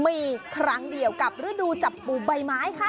มีครั้งเดียวกับฤดูจับปูใบไม้ค่ะ